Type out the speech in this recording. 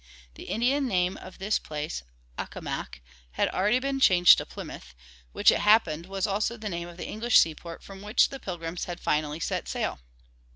The Indian name of this place, Accomac, had already been changed to Plymouth, which it happened was also the name of the English seaport from which the Pilgrims had finally set sail.